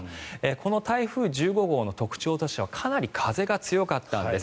この台風１５号の特徴としてはかなり風が強かったんです。